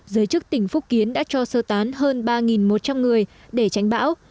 giới chức tỉnh phúc kiến đã cho sơ tán hơn ba một trăm linh người để tránh bão